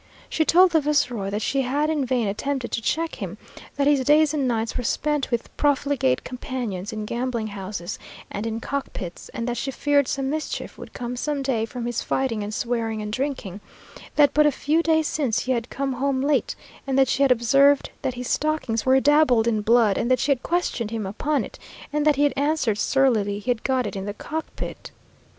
She told the viceroy that she had in vain attempted to check him, that his days and nights were spent with profligate companions in gambling houses and in cock pits, and that she feared some mischief would come some day from his fighting and swearing and drinking; that but a few days since he had come home late, and that she had observed that his stockings were dabbled in blood; that she had questioned him upon it, and that he had answered surlily he had got it in the cock pit.